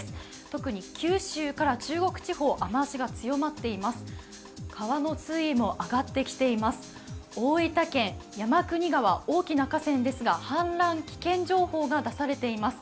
特に九州から中国地方、大分県山国川、大きな河川ですが氾濫危険情報が出されています。